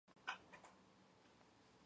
მან თექვსმეტ მატჩში მხოლოდ სამი გოლი დააგროვა.